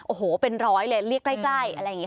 โอ้โหเป็นร้อยเลยเรียกใกล้อะไรอย่างนี้